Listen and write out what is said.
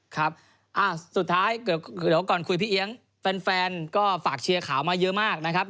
ครับสุดท้ายเดี๋ยวก่อนคุยพี่เอี๊ยงแฟนก็ฝากเชียร์ข่าวมาเยอะมากนะครับ